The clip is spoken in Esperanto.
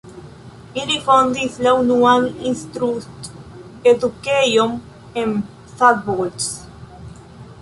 Ili fondis la unuan instruist-edukejon en Szabolcs.